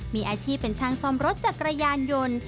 มีอาชีพเป็นช่างซ่อมรถจักรยานยนต์